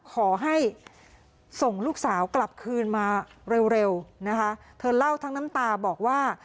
ขอให้ส่งลูกสาวกลับคืนมาเร็วนะคะเธอเล่าทั้งน้ำตาบอกว่า